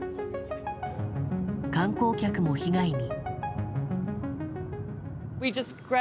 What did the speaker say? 観光客も被害に。